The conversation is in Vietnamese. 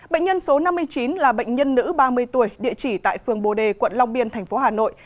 bệnh nhân số năm mươi chín là bệnh nhân nữ ba mươi tuổi địa chỉ tại phường bồ đề quận long biên thành phố hà nội